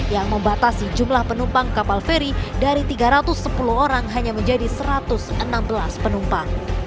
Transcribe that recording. yang membatasi jumlah penumpang kapal feri dari tiga ratus sepuluh orang hanya menjadi satu ratus enam belas penumpang